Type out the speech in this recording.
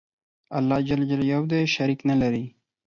الله ج یو دی شریک نه لری